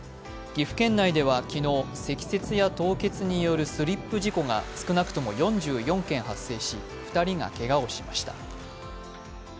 岐阜県内では昨日、積雪や凍結によるスリップ事故が少なくとも４４件発生し２人がけがをしました。